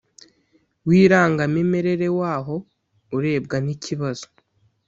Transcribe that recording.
w irangamimerere w aho urebwa n ikibazo